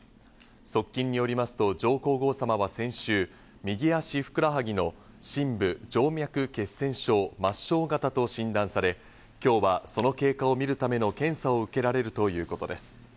側近によりますと上皇后さまは先週、右足ふくらはぎの深部静脈血栓症・末梢型と診断され、今日は、その経過を見るための検査を受けられるということです。